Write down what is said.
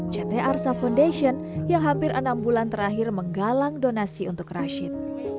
ct arsa foundation yang hampir enam bulan terakhir menggalang donasi untuk rashid